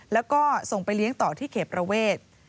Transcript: แล้วก็ส่งไปเลี้ยงต่อที่เขตประเวท